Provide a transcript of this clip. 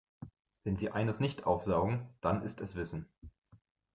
Wenn sie eines nicht aufsaugen, dann ist es Wissen.